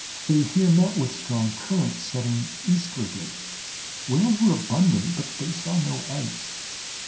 They here met with strong currents setting eastwardly. Whales were abundant, but they saw no ice.